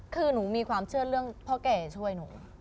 คือหนูมีความเชื่อเรื่องพ่อแก่ช่วยหนู